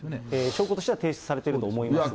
証拠としては提出されていると思いますが。